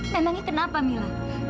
memangnya kenapa mila